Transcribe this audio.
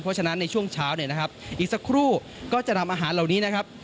เพราะฉะนั้นในช่วงเช้าเนี่ยนะครับอีกสักครู่ก็จะทำอาหารเหล่านี้นะครับ